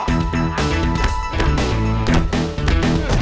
jangan bawa bawa duit gua